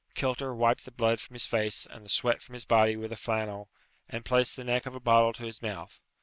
Kilter wiped the blood from his face and the sweat from his body with a flannel, and placed the neck of a bottle to his mouth.